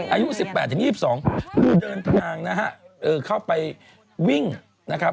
อายุ๑๘๒๒คือเดินทางนะฮะเข้าไปวิ่งนะครับ